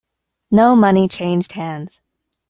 No money changed hands.